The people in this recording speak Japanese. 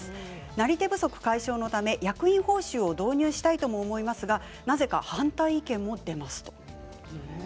なり手不足解消のため役員報酬を導入しようと思うんですが、なぜか反対意見が出ています。